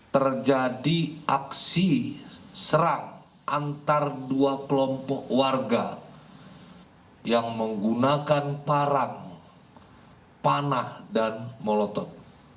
terjadi aksi serang antara dua kelompok warga yang menggunakan parang panah dan molotot